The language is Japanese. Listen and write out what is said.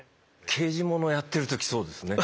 刑事物やってる時そうですね。